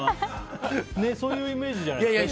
そういうイメージじゃないですか？